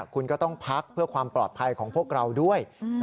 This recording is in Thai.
คุณก็ต้องพักเพื่อความปลอดภัยของพวกเราด้วย